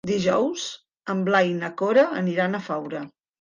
Dijous en Blai i na Cora aniran a Faura.